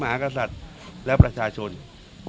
ไม่หลงทาง